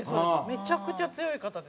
めちゃくちゃ強い方ですママは。